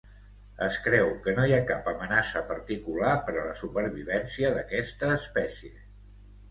Es creu que no hi ha cap amenaça particular per a la supervivència d'aquesta espècie.